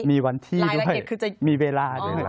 มีวันที่ด้วยมีเวลา